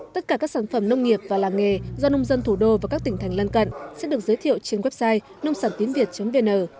tất cả các sản phẩm nông nghiệp và làng nghề do nông dân thủ đô và các tỉnh thành lân cận sẽ được giới thiệu trên website nông sản tiến việt vn